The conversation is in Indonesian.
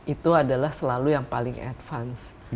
itu adalah selalu yang paling advance